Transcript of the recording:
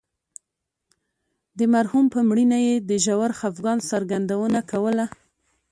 د مرحوم په مړینه یې د ژور خفګان څرګندونه کوله.